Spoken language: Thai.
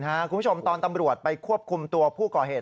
คุณผู้ชมตอนตำรวจไปควบคุมตัวผู้ก่อเหตุ